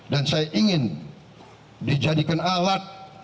dan saya ingin dijadikan alat